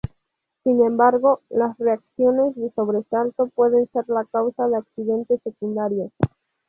Sin embargo, las reacciones de sobresalto puede ser la causa de accidentes secundarios.